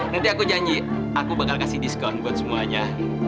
nanti aku janji aku bakal kasih diskon buat semuanya